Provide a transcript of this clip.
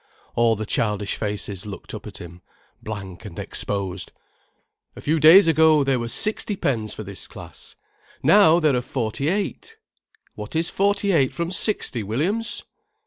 All the childish faces looked up at him blank and exposed. "A few days ago there were sixty pens for this class—now there are forty eight. What is forty eight from sixty, Williams?"